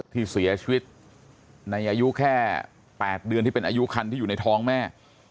ที่เสียชีวิตในอายุแค่๘เดือนที่เป็นอายุคันที่อยู่ในท้องแม่